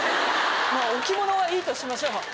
まぁ置物はいいとしましょう。